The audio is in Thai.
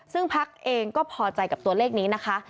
ซึ่งพักเองก็พอใจกับตัวเลขนี้นะคะ